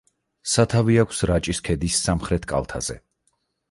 სათავე აქვს რაჭის ქედის სამხრეთ კალთაზე.